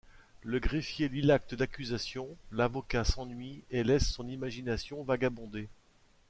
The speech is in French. Le greffier lit l’acte d'accusation, l’avocat s’ennuie et laisse son imagination vagabonder.